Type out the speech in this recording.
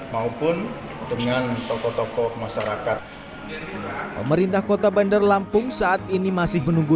maupun dengan tokoh tokoh masyarakat pemerintah kota bandar lampung saat ini masih menunggu